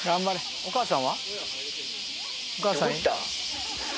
お母さんは？